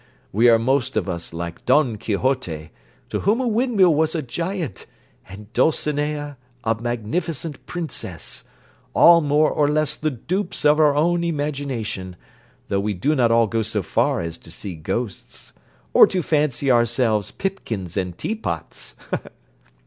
We are most of us like Don Quixote, to whom a windmill was a giant, and Dulcinea a magnificent princess: all more or less the dupes of our own imagination, though we do not all go so far as to see ghosts, or to fancy ourselves pipkins and teapots.